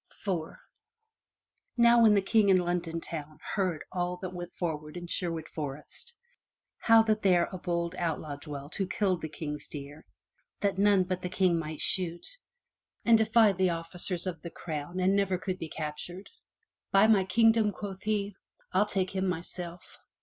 IV Now when the King in London town heard all that went forward in Sherwood Forest, how that there a bold outlaw dwelt who killed the King's deer that none but the King might shoot, and defied the officers of the crown and never could be captured, By my kingdom,'' quoth he, "I'll take him myself!"